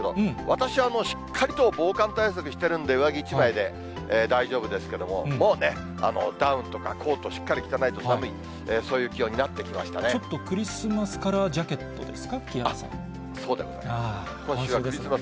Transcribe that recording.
私はしっかりと防寒対策してるんで、上着１枚で大丈夫ですけれども、もうね、ダウンとかコートしっかり着てないと寒い、そういう気温になってちょっとクリスマスカラージそうでございます。